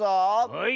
はい。